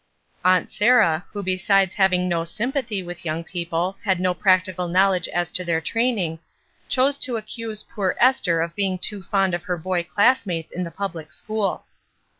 Aunt Sarah, who besides having no sympathy with young people had no practical knowledge as to their training, chose to accuse poor Esther of being too fond of her boy classmates in the public school.